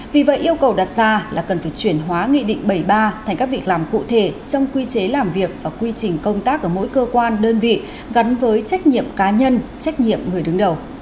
vì vậy yêu cầu đặt ra là cần phải chuyển hóa nghị định bảy mươi ba thành các việc làm cụ thể trong quy chế làm việc và quy trình công tác ở mỗi cơ quan đơn vị gắn với trách nhiệm cá nhân trách nhiệm người đứng đầu